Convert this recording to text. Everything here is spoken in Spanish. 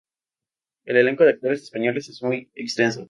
El elenco de actores españoles es muy extenso.